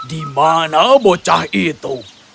dimana bocah itu